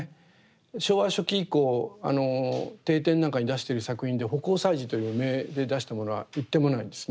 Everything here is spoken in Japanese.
昭和初期以降帝展なんかに出している作品で葆光彩磁という名で出したものは一点もないんですね。